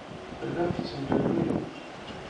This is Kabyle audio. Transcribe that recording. Tellamt tettemlelluyemt.